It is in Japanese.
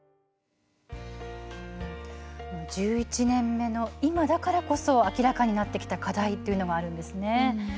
１１年目の今だからこそ明らかになってきた課題というのがあるんですよね。